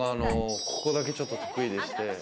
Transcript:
ここだけちょっと得意でして。